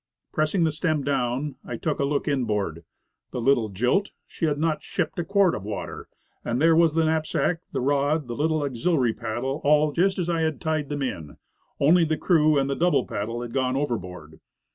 Pressing the stem down, I took a look inboard. The little jilt ! She had not shipped a quart of water. And there was the knap sack, the rod, the little auxiliary paddle, all just as I had tied them in; only the crew and the double blade had gone overboard.